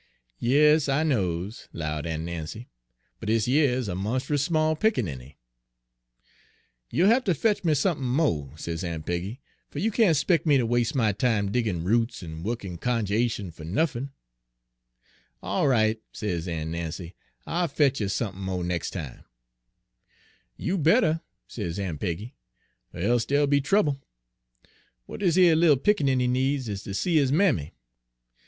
" 'Yas, I knows,' 'lowed Aun' Nancy, 'but dis yere is a monst'us small pickaninny.' " 'You'll hafter fetch me sump'n mo',' sez Aun' Peggy, 'fer you can't 'spec' me ter was'e my time diggin' roots en wukkin' cunj'ation fer nuffin.' " 'All right,' sez Aun' Nancy, 'I'll fetch you sump'n mo' nex' time.' " 'You bettah,' sez Aun' Peggy, 'er e'se dey'll be trouble. W'at dis yer little pickaninny needs is ter see his mammy.